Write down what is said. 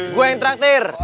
gue yang traktir